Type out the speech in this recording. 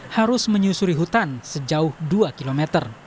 harus menyusuri hutan sejauh dua km